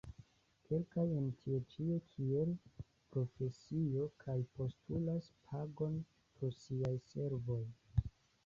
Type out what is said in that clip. Kelkaj en tio ĉio kiel profesio kaj postulas pagon pro siaj servoj.